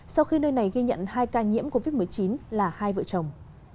sau khi nơi này ghi nhận hai ca nhiễm covid một mươi chín là hai vợ chồng